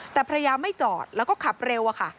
แต่ภรรยาไม่จอดแล้วก็ขับเร็วอะค่ะ